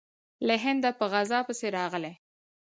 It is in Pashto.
له هنده په غزا پسې راغلی.